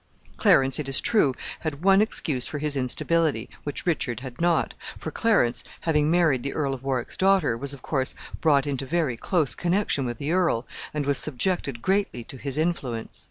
Clarence, it is true, had one excuse for his instability, which Richard had not; for Clarence, having married the Earl of Warwick's daughter, was, of course, brought into very close connection with the earl, and was subjected greatly to his influence.